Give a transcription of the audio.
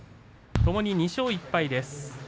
ともに２勝１敗です。